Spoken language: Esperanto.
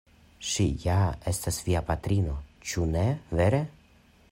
Ŝi ja estas via patrino, ĉu ne vere?